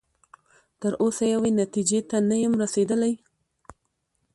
تر اوسه یوې نتیجې ته نه یم رسیدلی.